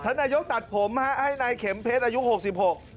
ท่านนายก็ตัดผมมาให้ในเข็มเพชรอายุหกสิบหก